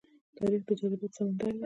تاریخ د جذباتو سمندر دی.